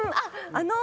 あの。